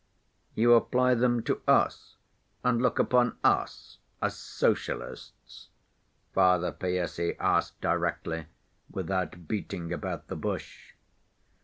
"You apply them to us, and look upon us as socialists?" Father Païssy asked directly, without beating about the bush.